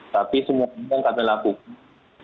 tapi semua yang kami lakukan